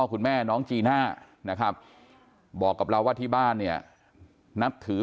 คุณแม่น้องจีน่านะครับบอกกับเราว่าที่บ้านเนี่ยนับถือ